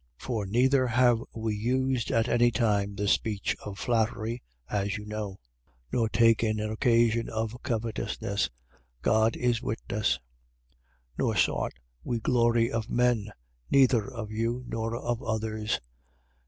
2:5. For neither have we used at any time the speech of flattery, as you know: nor taken an occasion of covetousness (God is witness): 2:6. Nor sought we glory of men, neither of you, nor of others.